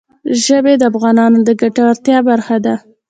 ژبې د افغانانو د ګټورتیا برخه ده.